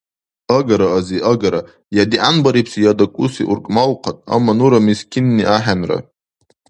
Агара, ази, агара я дигӀянбарибси, я дакӀуси, уркӀмалхъад, амма нура мискинни ахӀенра.